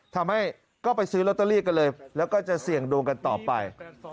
ทำให้ก็ไปซื้อลอตเตอรี่กันเลยแล้วก็จะเสี่ยงดวงกันต่อไป